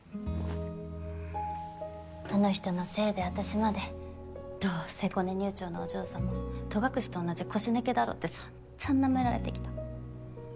あの人のせいで私まで「どうせコネ入庁のお嬢さま戸隠と同じ腰抜けだろ」って散々ナメられてきた。